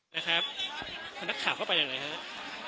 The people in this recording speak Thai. นะครับพอนักข่าวเข้าไปยังไงครับ